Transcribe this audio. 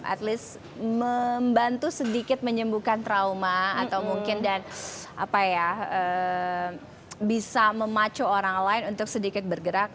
at least membantu sedikit menyembuhkan trauma atau mungkin dan bisa memacu orang lain untuk sedikit bergerak